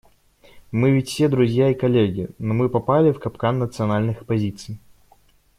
Мы ведь все друзья и коллеги, но мы попали в капкан национальных позиций.